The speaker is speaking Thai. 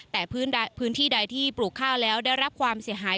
แต่พื้นที่ใดที่ปลูกข้าวแล้วได้รับความเสียหาย